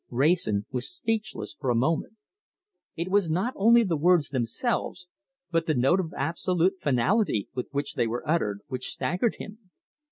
Wrayson was speechless for a moment. It was not only the words themselves, but the note of absolute finality with which they were uttered, which staggered him.